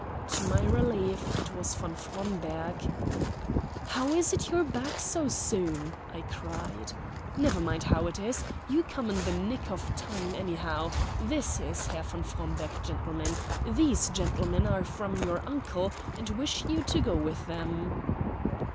To my relief it was von Fromberg. "How is it you're back so soon?" I cried. "Never mind how it is; you come in the nick of time anyhow. This is Herr von Fromberg, gentlemen. These gentlemen are from your uncle, and wish you to go with them."